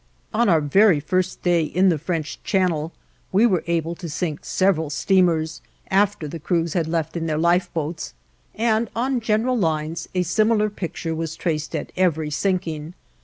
On our very first day in the French Channel we were able to sink several steamers, after the crews had left in their lifeboats, and on general lines a similar picture was traced at every sinking.